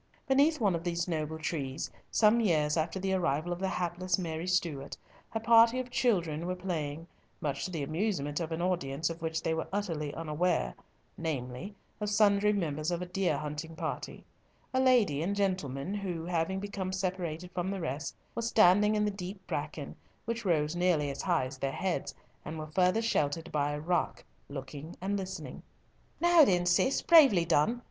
Beneath one of these noble trees, some years after the arrival of the hapless Mary Stuart, a party of children were playing, much to the amusement of an audience of which they were utterly unaware, namely, of sundry members of a deer hunting party; a lady and gentleman who, having become separated from the rest, were standing in the deep bracken, which rose nearly as high as their heads, and were further sheltered by a rock, looking and listening. "Now then, Cis, bravely done!